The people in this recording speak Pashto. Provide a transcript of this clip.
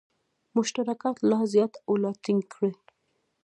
مشترکات لا زیات او لا ټینګ کړي.